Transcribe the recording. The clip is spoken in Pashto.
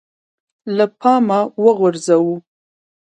له پامه وغورځوو